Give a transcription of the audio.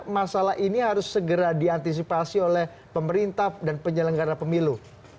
masalah ini harus segera diantisipasi oleh pemerintah dan penyelenggara pemilu